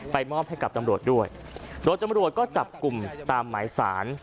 มอบให้กับตำรวจด้วยโดยตำรวจก็จับกลุ่มตามหมายสาร